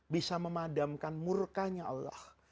bisa memadamkan murkanya allah